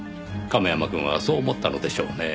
亀山くんはそう思ったのでしょうねぇ。